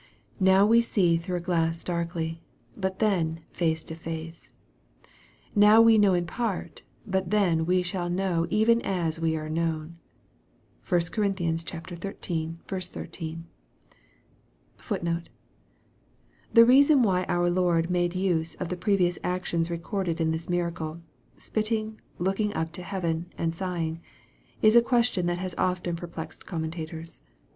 " Now we see through a glass darkly, but then face to face. Now we know in part, but then shall we know even as we are known."* (1 Cor. xiii. 13.) * The reason why our Lord made use of the previous actions re corded in this miracle spitting, looking up to heaven, and sighing is a question that has often perplexed commentators.